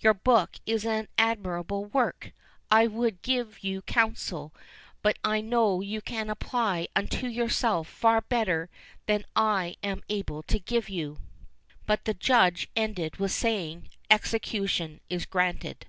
Your book is an admirable work; I would give you counsel, but I know you can apply unto yourself far better than I am able to give you." But the judge ended with saying, "execution is granted."